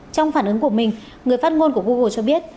trong phản ứng của mình người phát ngôn của google cho biết